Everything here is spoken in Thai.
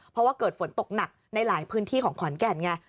เพราะว่าเกิดฝนตกหนักในหลายพื้นที่ของขอนแก่นไง